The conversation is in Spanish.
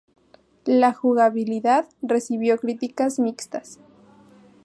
La jugabilidad recibió críticas mixtas.